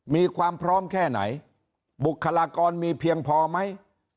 มีความพร้อมแค่ไหนบุคลากรมีเพียงพอไหม